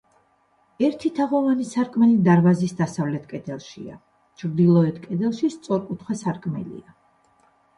ერთი თაღოვანი სარკმელი დარბაზის დასავლეთ კედელშია, ჩრდილოეთ კედელში სწორკუთხა სარკმელია.